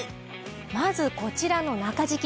まずこちらの中敷き。